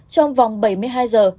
trong vòng bảy mươi hai giờ